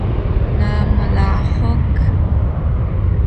na malahuk